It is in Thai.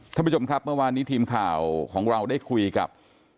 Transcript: ท่านผู้ชมครับเมื่อวานนี้ทีมข่าวของเราได้คุยกับ